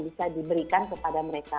jadi kita harus mengingatkan kepada mereka